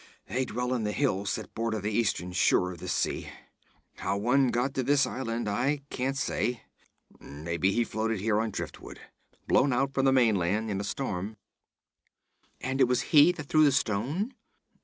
They dwell in the hills that border the eastern shore of this sea. How this one got to this island, I can't say. Maybe he floated here on driftwood, blown out from the mainland in a storm.' 'And it was he that threw the stone?'